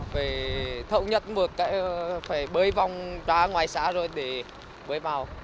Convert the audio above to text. phải thậu nhất một cái phải bơi vòng ra ngoài xã rồi để bơi vào